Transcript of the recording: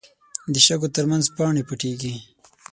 د شګو تر منځ پاڼې پټېږي